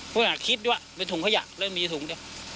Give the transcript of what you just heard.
พวกมันอาจคิดด้วยว่าเป็นถุงขยะแล้วมีถุงเดียว